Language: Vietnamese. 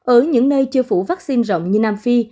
ở những nơi chưa phủ vaccine rộng như nam phi